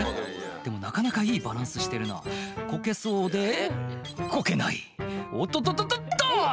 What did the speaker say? でもなかなかいいバランスしてるなこけそうでこけないおっとっとっとっと！